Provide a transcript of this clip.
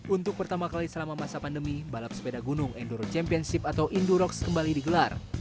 untuk pertama kali selama masa pandemi balap sepeda gunung enduro championship atau indurox kembali digelar